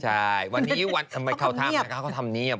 ใช่วันนี้เข้าถ้ำเขาเข้าถ้ำเนียบ